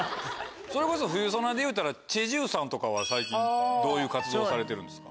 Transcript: それこそ『冬ソナ』でいうたらチェ・ジウさんとかは最近どういう活動されてるんですか？